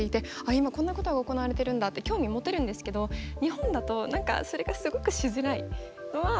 今こんなことが行われてるんだって興味持てるんですけど日本だと何かそれがすごくしづらいのは悲しいなって。